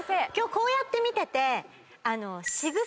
こうやって見てて。